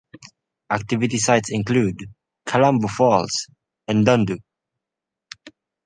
Activity sites include: Kalambo Falls and Dundo.